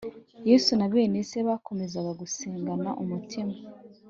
Yesu na bene se bakomezaga gusengana umutima